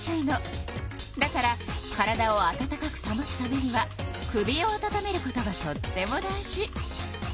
だから体を温かくたもつためには首を温めることがとっても大事。